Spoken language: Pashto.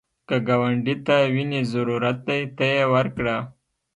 که ګاونډي ته وینې ضرورت دی، ته یې ورکړه